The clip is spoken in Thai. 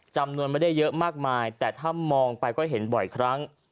จำนวนไม่ได้เยอะมากมายแต่ถ้ามองไปก็เห็นบ่อยครั้ง